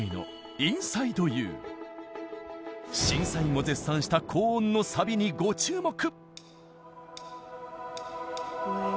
審査員も絶賛した高音のサビにご注目。